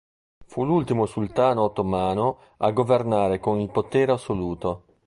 Fu l'ultimo sultano ottomano a governare con il potere assoluto.